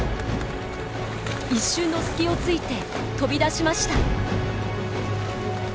一瞬の隙をついて飛び出しました。